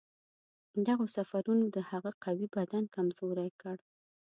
دغو سفرونو د هغه قوي بدن کمزوری کړ.